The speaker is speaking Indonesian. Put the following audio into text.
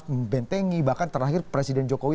membentengi bahkan terakhir presiden jokowi